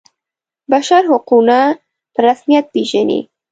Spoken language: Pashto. بشر حقونه په رسمیت پيژني.